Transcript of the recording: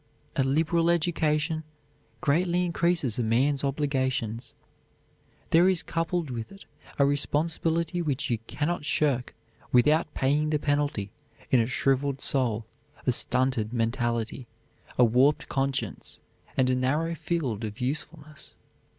A liberal education greatly increases a man's obligations. There is coupled with it a responsibility which you can not shirk without paying the penalty in a shriveled soul, a stunted mentality, a warped conscience, and a narrow field of usefulness.